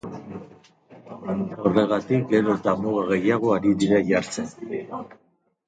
Horregatik, gero eta muga gehiago ari dira jartzen.